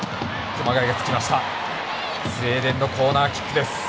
スウェーデンのコーナーキックです。